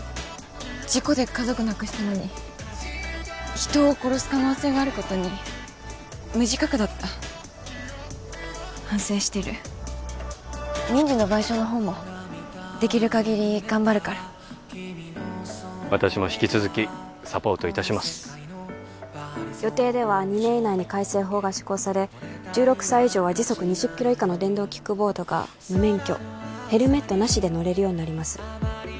事故で家族亡くしたのに人を殺す可能性があることに無自覚だった反省してる民事の賠償のほうもできるかぎり頑張るから私も引き続きサポートいたします予定では２年以内に改正法が施行され１６歳以上は時速２０キロ以下の電動キックボードが無免許ヘルメットなしで乗れるようになります